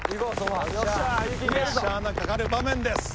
プレッシャーがかかる場面です。